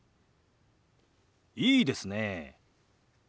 いいですねえ。